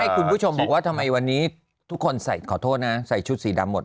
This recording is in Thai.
คุณผู้ชมบอกว่าทำไมวันนี้ทุกคนใส่ขอโทษนะใส่ชุดสีดำหมด